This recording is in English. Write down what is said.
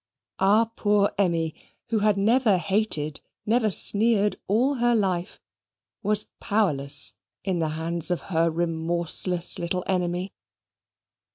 Our poor Emmy, who had never hated, never sneered all her life, was powerless in the hands of her remorseless little enemy.